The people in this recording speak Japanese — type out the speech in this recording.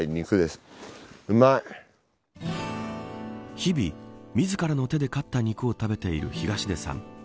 日々、自らの手で狩った肉を食べている東出さん。